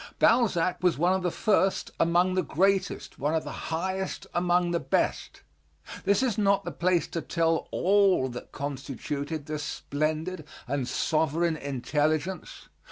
Balzac was one of the first among the greatest, one of the highest among the best. This is not the place to tell all that constituted this splendid and sovereign intelligence.